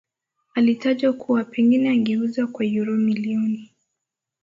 alitajwa kuwa pengine angeuzwa kwa euro milioni